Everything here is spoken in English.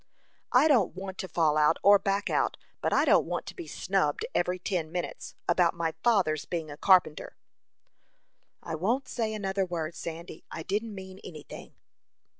"I don't want to fall out, or back out; but I don't want to be snubbed, every ten minutes, about my father's being a carpenter." "I won't say another word, Sandy. I didn't mean any thing."